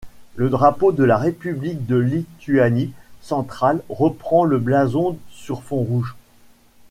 Le drapeau de la République de Lituanie centrale reprend le blason sur fond rouge.